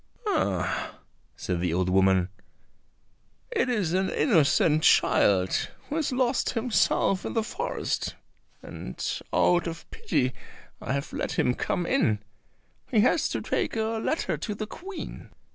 "Ah," said the old woman, "it is an innocent child who has lost himself in the forest, and out of pity I have let him come in; he has to take a letter to the Queen."